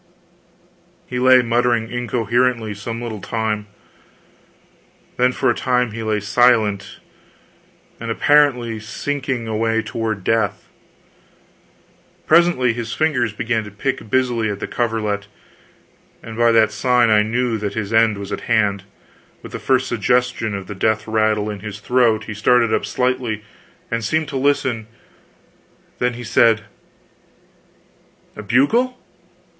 He lay muttering incoherently some little time; then for a time he lay silent, and apparently sinking away toward death. Presently his fingers began to pick busily at the coverlet, and by that sign I knew that his end was at hand with the first suggestion of the death rattle in his throat he started up slightly, and seemed to listen: then he said: "A bugle?...